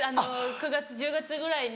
９月１０月ぐらいに。